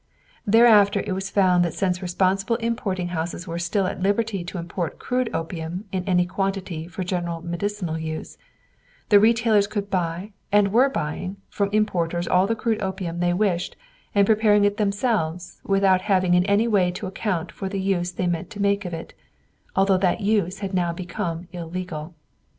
Thereafter it was found that since responsible importing houses were still at liberty to import crude opium in any quantity for general medicinal use, the retailers could buy and were buying from importers all the crude opium they wished and preparing it themselves without having in any way to account for the use they meant to make of it, although that use had now become illegal.